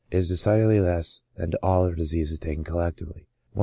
is de cidedly less than to all other diseases taken collectively (i D.